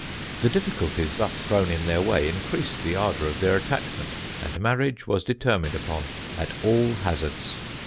The difficulties thus thrown in their way increased the ardour of their attachment and marriage was determined upon at all hazards.